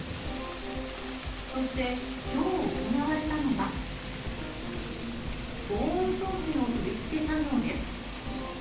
そして、きょう行われたのが、防音装置の取り付け作業です。